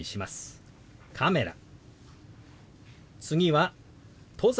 次は「登山」。